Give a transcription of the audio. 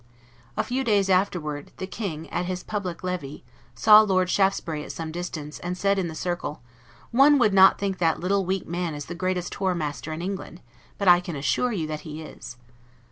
A few days afterward, the King, at his public levee, saw Lord Shaftesbury at some distance, and said in the circle, "One would not think that that little, weak man is the greatest whore master in England; but I can assure you that he is."